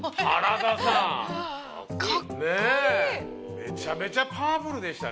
めちゃめちゃパワフルでしたね。